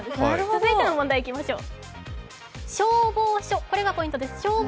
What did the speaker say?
続いての問題にいきましょう。